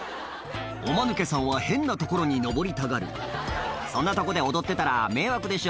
おマヌケさんは変な所に上りたがるそんなとこで踊ってたら迷惑でしょ